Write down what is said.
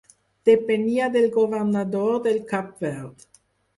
Depenia del governador del Cap Verd.